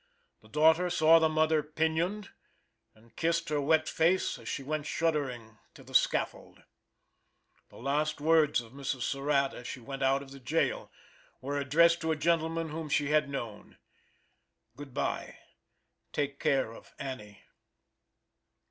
The daughter saw the mother pinioned and kissed her wet face as she went shuddering to the scaffold. The last words of Mrs. Surratt, as she went out of the jail, were addressed to a gentleman whom she had known. "Good bye, take care of Annie."